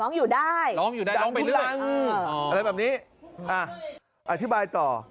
ร้องอยู่ได้ดันผู้รังอะไรแบบนี้อ่ะอธิบายต่อ